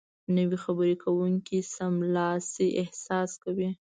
نو خبرې کوونکی سملاسي احساس کوي